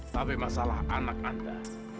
tapi masalah anak anda